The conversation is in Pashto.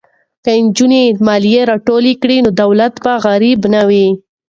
که نجونې مالیه راټوله کړي نو دولت به غریب نه وي.